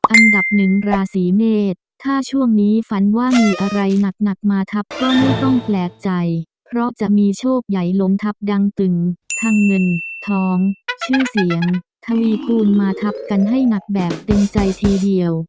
อันดับหนึ่งราศีเมษถ้าช่วงนี้ฝันว่ามีอะไรหนักมาทับก็ไม่ต้องแปลกใจเพราะจะมีโชคใหญ่ล้มทับดังตึงทางเงินทองชื่อเสียงทวีปูนมาทับกันให้หนักแบบเต็มใจทีเดียว